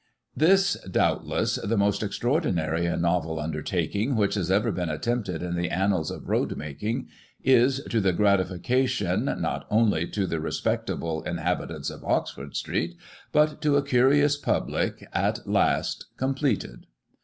— ^This, doubtless, the most extraordinary and novel xmdertaking which has ever been attempted in the annals of road making, is, to the gratification, not only to the respectable inhabitants of Oxford Street, but to a curious public, at last, completed.